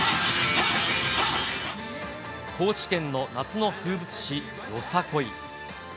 高知県の夏の風物詩、よさこい。